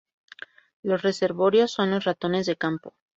Los reservorios son los ratones de campo.